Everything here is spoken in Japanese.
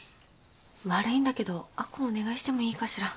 悪いんだけど亜子をお願いしてもいいかしら？